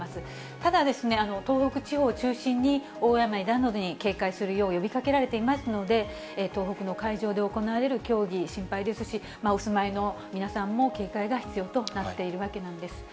ただ、東北地方を中心に、大雨などに警戒するよう呼びかけられていますので、東北の会場で行われる競技、心配ですし、お住まいの皆さんも警戒が必要となっているわけなんです。